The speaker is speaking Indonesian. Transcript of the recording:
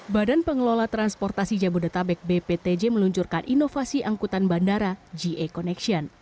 badan pengelola transportasi jabodetabek bptj meluncurkan inovasi angkutan bandara ja connection